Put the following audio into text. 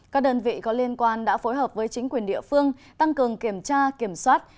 các đơn vị có liên quan đã phối hợp với chính quyền địa phương tăng cường kiểm tra kiểm soát